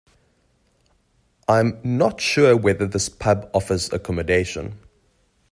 I’m not sure whether this pub offers accommodation